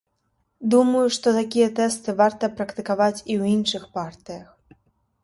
Думаю, што такія тэсты варта практыкаваць і ў іншых партыях.